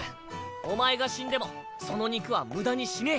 お前が死んでもその肉は無駄にしねぇ。